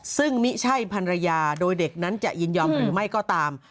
ซึ่งไม่ใช่ภรรยาโดยเด็กนั้นจะยินยอมหรือไม่ก็ตาม